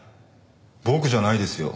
僕じゃないですよ。